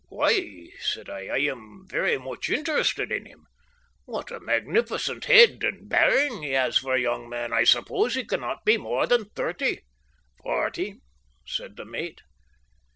"Why," said I, "I am very much interested in him. What a magnificent head and bearing he has for a young man. I suppose he cannot be more than thirty." "Forty," said the mate.